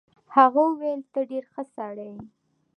هغه وویل ته ډېر ښه سړی یې.